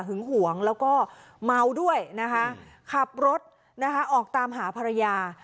หวงแล้วก็เมาด้วยนะคะขับรถนะคะออกตามหาภรรยา